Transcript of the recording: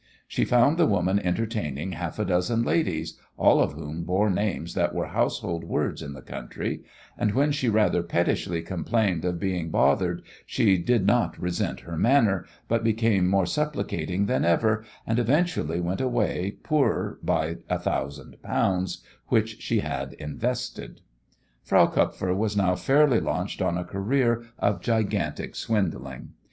She found the woman entertaining half a dozen ladies, all of whom bore names that were household words in the country, and when she rather pettishly complained of being bothered she did not resent her manner, but became more supplicating than ever, and eventually went away poorer by a thousand pounds, which she had "invested." Frau Kupfer was now fairly launched on a career of gigantic swindling.